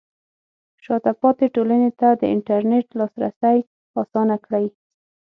شاته پاتې ټولنې ته د انټرنیټ لاسرسی اسانه کړئ.